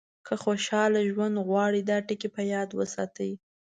که خوشاله ژوند غواړئ دا ټکي په یاد وساتئ.